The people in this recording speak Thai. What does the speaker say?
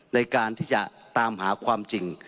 ในการที่จะตามหาความจริง